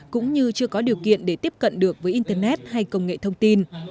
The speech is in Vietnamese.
cũng như chưa có điều kiện để tiếp cận được với internet hay công nghệ thông tin